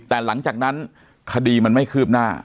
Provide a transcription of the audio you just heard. แต่หลังจากนั้นคดีมันไม่คืบหน้า